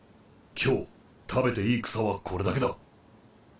今日食べていい草はこれだけだ。